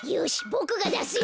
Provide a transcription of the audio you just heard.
ぼくがだすよ！